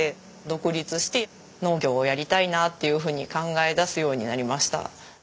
独立して農業をやりたいなっていうふうに考えだすようになりました。